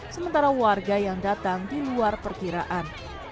sementara warga yang datang di luar perkiraan